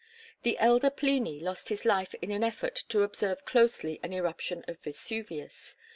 The elder Pliny lost his life in an effort to observe closely an eruption of Vesuvius.